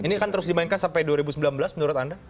ini akan terus dimainkan sampai dua ribu sembilan belas menurut anda